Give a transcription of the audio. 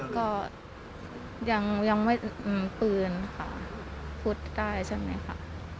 ก็ยังไม่ปืนค่ะพุทธได้ใช่ไหมคะ